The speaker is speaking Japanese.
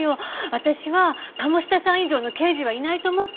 私は鴨志田さん以上の刑事はいないと思って。